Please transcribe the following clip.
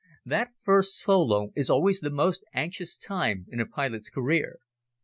That first solo is always the most anxious time in a pilot's career.